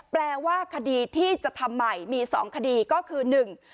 แปลว่าคดีที่จะทำใหม่มีสองคดีก็คือหนึ่ง